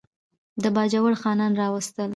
د باجوړ خانان راوستل.